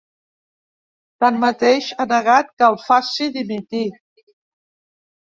Tanmateix, ha negat que el faci dimitir.